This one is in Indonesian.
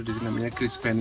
di sini namanya chris penny